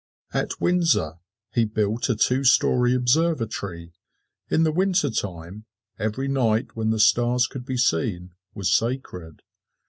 At Windsor he built a two story observatory. In the wintertime every night when the stars could be seen, was sacred.